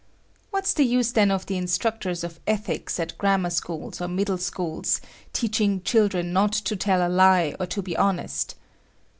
What's the use then of the instructors of ethics at grammar schools or middle schools teaching children not to tell a lie or to be honest.